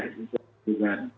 nah itu juga